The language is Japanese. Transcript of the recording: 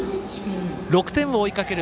６点を追いかける